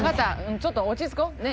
ちょっと落ち着こうねっ